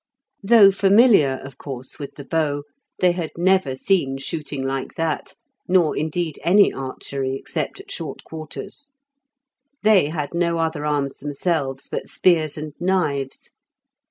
Though familiar, of course, with the bow, they had never seen shooting like that, nor, indeed, any archery except at short quarters. They had no other arms themselves but spears and knives.